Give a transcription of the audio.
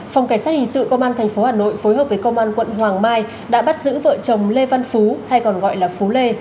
phòng cảnh sát hình sự công an tp hà nội phối hợp với công an quận hoàng mai đã bắt giữ vợ chồng lê văn phú hay còn gọi là phú lê